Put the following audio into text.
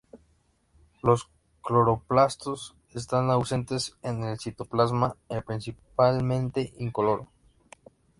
Los cloroplastos están ausentes y el citoplasma es principalmente incoloro.